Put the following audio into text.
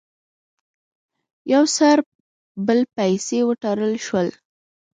یو پر بل پسې وتړل شول،